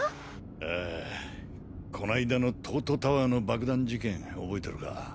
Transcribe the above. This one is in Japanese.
ああこないだの東都タワーの爆弾事件覚えてるか？